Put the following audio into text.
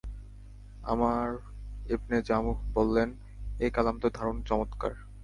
আমর ইবনে জামূহ বললেন, এ কালাম তো দারুণ চমৎকার!